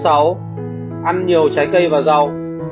ăn nhiều trái cây và rau